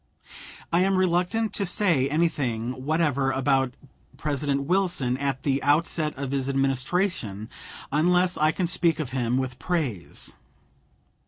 I am reluctant to say anything whatever about President Wilson at the outset of his Administration unless I can speak of him with praise.